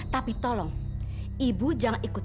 tapi tolong ibu jangan ikut